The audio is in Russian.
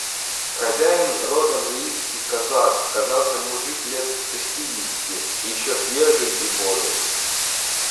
Хозяин, родом яицкий казак, казался мужик лет шестидесяти, еще свежий и бодрый.